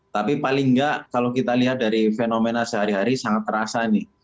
tapi paling nggak kalau kita lihat dari fenomena sehari hari sangat terasa nih